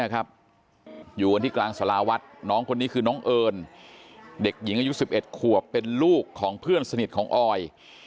อยู่กันที่กลางสาราวัดน้องคนนี้คือน้องเอิญเด็กหญิงอายุ๑๑ขวบเป็นลูกของเพื่อนสนิทของออย